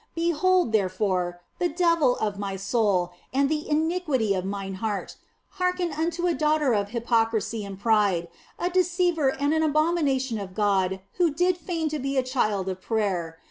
Behold, there fore, the devil of my soul and the iniquity of mine heart ; hearken unto a daughter of hypocrisy and pride, a deceiver and an abomination of God who did feign to be a child of prayer.